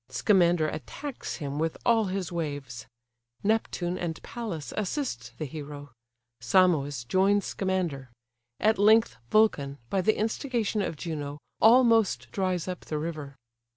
Scamander attacks him with all his waves: Neptune and Pallas assist the hero: Simois joins Scamander: at length Vulcan, by the instigation of Juno, almost dries up the river.